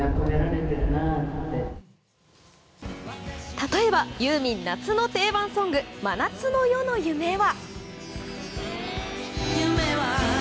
例えばユーミン夏の定番ソング「真夏の夜の夢」は。